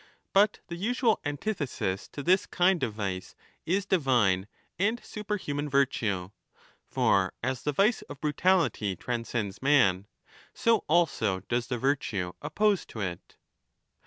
But the usual antithesis to this kind of vice is divine and superhuman virtue. For as the vice of brutality transcends man, so also does the virtue opposed to it.